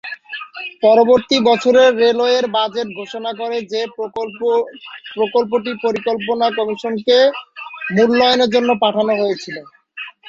পরবর্তী বছরের রেলওয়ের বাজেট ঘোষণা করে যে প্রকল্পটি পরিকল্পনা কমিশনকে মূল্যায়নের জন্য পাঠানো হয়েছিল।